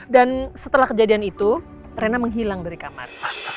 dan setelah kejadian itu rena menghilang dari kamar